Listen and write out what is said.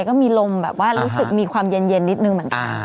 ก็มีลมแบบว่ารู้สึกมีความเย็นนิดนึงเหมือนกัน